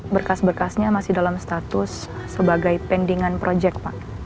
berkas berkasnya masih dalam status sebagai pendingan proyek pak